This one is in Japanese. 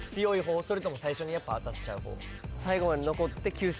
それとも最初にやっぱ当たっちゃう方？